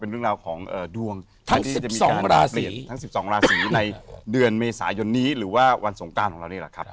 ราวของดวงทั้ง๑๒ราศีในเดือนเมษายนนี้หรือว่าวันสงการของเรานี่ล่ะครับ